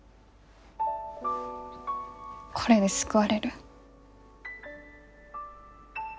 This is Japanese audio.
これで救われる？